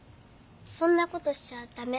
そんなことしちゃだめ。